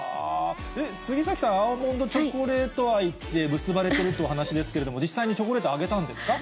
えっ、杉咲さん、アーモンドチョコレート愛って、結ばれているというお話ですけれども、実際にチョコレートあげたんですか？